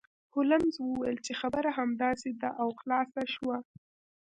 هولمز وویل چې خبره همداسې ده او خلاصه شوه